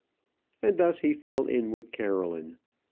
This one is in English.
And thus he fell in with Caroline.